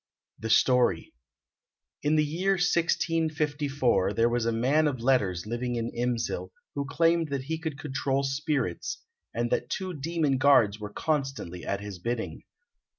] The Story In the year 1654 there was a man of letters living in Imsil who claimed that he could control spirits, and that two demon guards were constantly at his bidding.